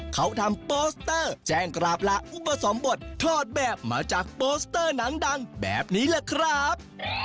ขอกลับล่าอุปสรรมบททอดแบบมาจากโปสเตอร์หนังแบบนี้แหละครับ